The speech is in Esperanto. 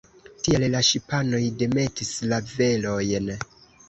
Tial la ŝipanoj demetis la velojn.